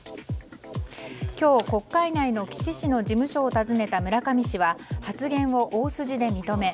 今日、国会内の岸氏の事務所を訪ねた村上氏は発言を大筋で認め